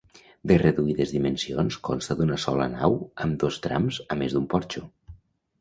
De reduïdes dimensions, consta d'una sola nau amb dos trams a més d'un porxo.